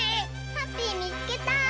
ハッピーみつけた！